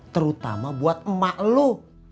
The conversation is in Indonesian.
terutama buat emak lo